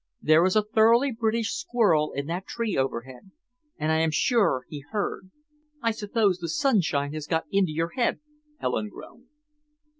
There is a thoroughly British squirrel in that tree overhead, and I am sure he heard." "I suppose the sunshine has got into your head," Helen groaned.